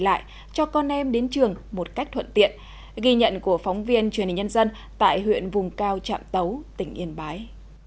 đi lại cho con em đến trường một cách thuận tiện ghi nhận của phóng viên truyền hình nhân dân tại huyện vùng cao trạm tấu tỉnh yên bái